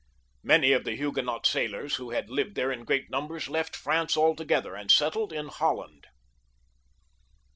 Many of the Huguenot sailors who had lived there in great numbers left France altogether and settled in Holland.